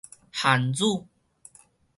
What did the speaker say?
韓愈